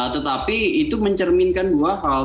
tetapi itu mencerminkan dua hal